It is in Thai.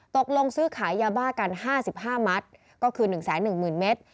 ตกลงซื้อขายยาบ้ากัน๕๕มัตต์ก็คือ๑๑๐๐๐เมตร